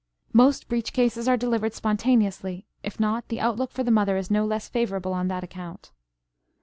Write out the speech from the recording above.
Most breech cases are delivered spontaneously; if not, the outlook for the mother is no less favorable on that account.